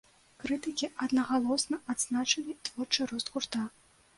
Крытыкі аднагалосна адзначылі творчы рост гурта.